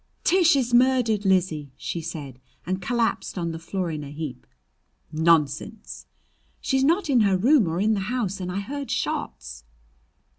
"Tish is murdered, Lizzie!" she said, and collapsed on the floor in a heap. "Nonsense!" "She's not in her room or in the house, and I heard shots!"